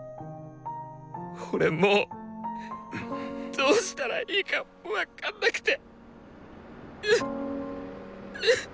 俺もうどうしたらいいか分かんなくて！